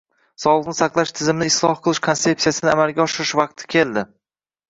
Sog‘liqni saqlash tizimini isloh qilish konseptsiyasini amalga oshirish vaqti keldi.